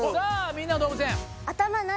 『みんなの動物園』。